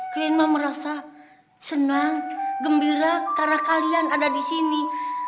klienma merasa senang gembira karena kalian ada di sini